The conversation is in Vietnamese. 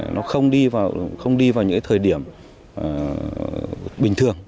nó không đi vào những thời điểm bình thường